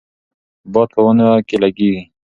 باد په ونو کې لګیږي.